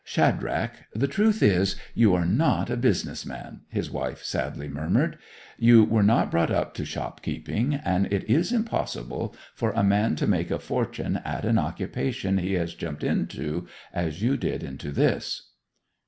'Shadrach, the truth is, you are not a business man,' his wife sadly murmured. 'You were not brought up to shopkeeping, and it is impossible for a man to make a fortune at an occupation he has jumped into, as you did into this.